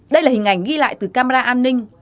đây là hình ảnh ghi lại từ camera an ninh